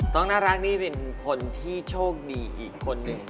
น้องน่ารักนี่เป็นคนที่โชคดีอีกคนหนึ่ง